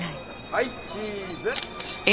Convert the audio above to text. はいチーズ。